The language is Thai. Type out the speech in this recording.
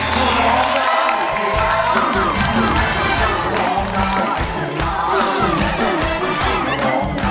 แล้วน้องใบบัวร้องได้หรือว่าร้องผิดครับ